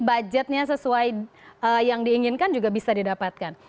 budgetnya sesuai yang diinginkan juga bisa didapatkan